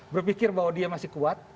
berpikir bahwa dia masih kuat